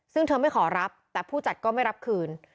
ซึ่งเธอไม่ขอรับแต่ผู้จัดก็ไม่รับคืน